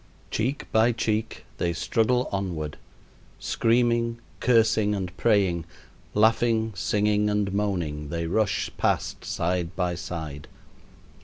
Cheek by cheek they struggle onward. Screaming, cursing, and praying, laughing, singing, and moaning, they rush past side by side.